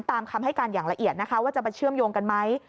ตามคำให้การอย่างละเอียดนะคะว่าจะไปเชื่อมโยงกันไหม